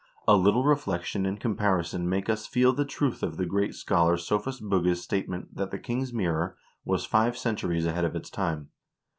A little reflection and comparison make us feel the truth of the great scholar Sophus Bugge's statement that "The King's Mirror" "was five centuries ahead of its time."